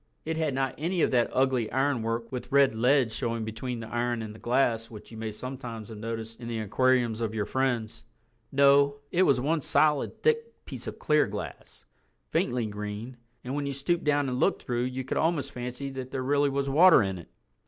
It had not any of that ugly ironwork with red lead showing between the iron and the glass which you may sometimes have noticed in the aquariums of your friends. No, it was one solid thick piece of clear glass, faintly green, and when you stooped down and looked through you could almost fancy that there really was water in it.